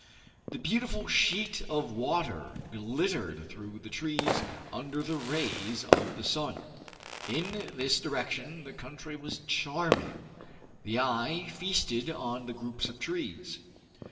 The beautiful sheet of water glittered through the trees under the rays of the sun. In this direction the country was charming. The eye feasted on the groups of trees.